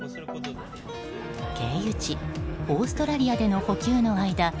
経由地オーストラリアでの補給の間